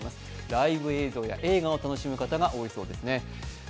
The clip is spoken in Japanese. ライブ映像や映画を楽しむ方が多いそうです。